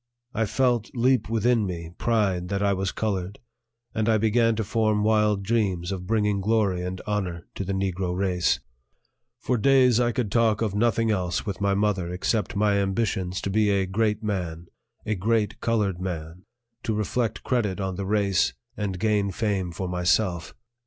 I felt leap within me pride that I was colored; and I began to form wild dreams of bringing glory and honor to the Negro race. For days I could talk of nothing else with my mother except my ambitions to be a great man, a great colored man, to reflect credit on the race and gain fame for myself.